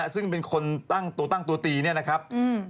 ซึ่งเป็นคนตั้งตัวตีนี่นะครับ